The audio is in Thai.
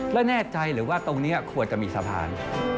แล้วแน่ใจหรือว่าตรงนี้ควรจะมีสะพาน